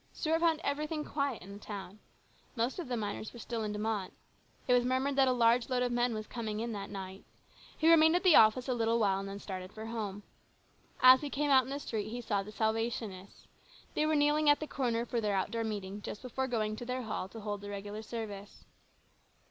Stuart found everything quiet in the town. Most of the miners were still in De Mott. It was murmured that a large load of men was coming AN EXCITING TIME. 139 in that night. He remained at the office a little while and then started out for home. As he came out in the street he saw the Salvationists. They were kneeling at the corner for their outdoor meeting, just before going to their hall to hold the regular service.